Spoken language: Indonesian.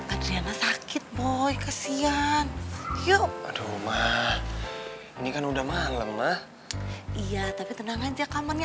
adriana sakit boy kesian yuk aduh mah ini kan udah malem mah iya tapi tenang aja kamarnya